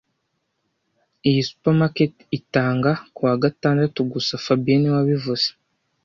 Iyi supermarket itanga kuwa gatandatu gusa fabien niwe wabivuze